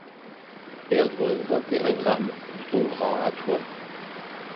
Perdre vingt et un grammes de ton gras à toi.